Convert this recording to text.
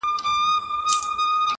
ه ته خپه د ستړي ژوند له شانه نه يې،